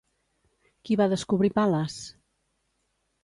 Qui va descobrir Pal·les?